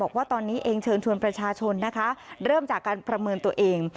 บอกว่าตอนนี้เองเชิญชวนประชาชนนะคะเริ่มจากการประเมินตัวเอง